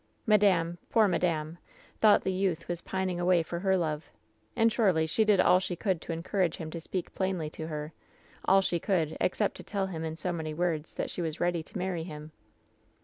"Madame — ^poor madame — ^thought the youth was pining away for her love. And surely she did all she could to encourage him to speak plainly to her ; all she could, except to tell him in so many words that she was ready to marry him.